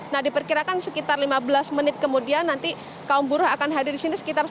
nah diperkirakan sekitar lima belas menit kemudian nanti kaum buruh akan hadir disini sekitar seribu enam ratus orang